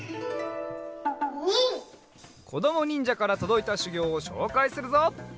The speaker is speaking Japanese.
こどもにんじゃからとどいたしゅぎょうをしょうかいするぞ。